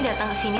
datang ke sini